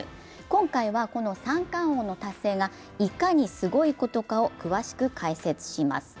今回はこの三冠王の達成がいかにすごいことかを詳しく解説します。